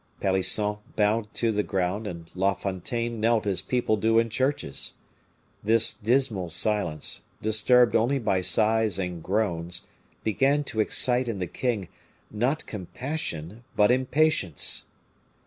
Pelisson bowed to the ground, and La Fontaine knelt as people do in churches. This dismal silence, disturbed only by sighs and groans, began to excite in the king, not compassion, but impatience.